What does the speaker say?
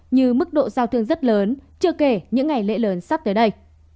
như mức độ giao thương rất lớn chưa kể những ngày lễ lớn sắp tới đây